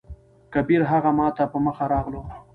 کبير: هغه ماته په مخه راغلو.